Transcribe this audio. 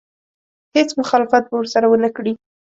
هېڅ مخالفت به ورسره ونه کړي.